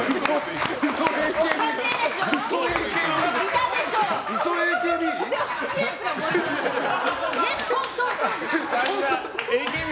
嘘ＡＫＢ？